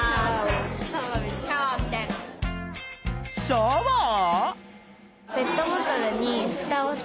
シャワー？